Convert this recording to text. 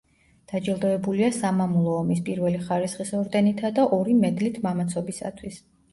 დაჯილდოებულია სამამულო ომის პირველი ხარისხის ორდენითა და ორი მედლით „მამაცობისათვის“.